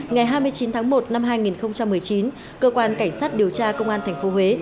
ngày hai mươi chín tháng một năm hai nghìn một mươi chín cơ quan cảnh sát điều tra công an tp huế